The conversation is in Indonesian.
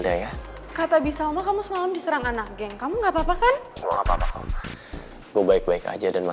nanti kalau cewek itu yang nolongin gua berarti gua utang budi dong sama dia